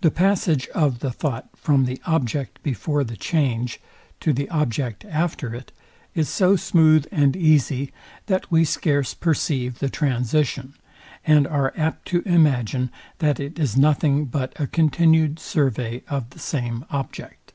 The passage of the thought from the object before the change to the object after it, is so smooth and easy, that we scarce perceive the transition, and are apt to imagine, that it is nothing but a continued survey of the same object.